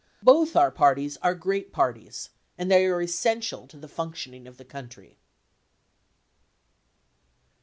Both our parties are great parties, and they are essential to the func tioning of the country.